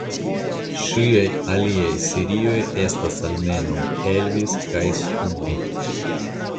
Ŝiaj aliaj serioj estas almenaŭ "Elvis" kaj "Skugg".